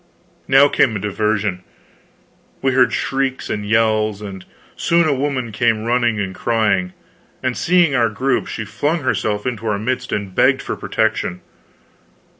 Now came a diversion. We heard shrieks and yells, and soon a woman came running and crying; and seeing our group, she flung herself into our midst and begged for protection.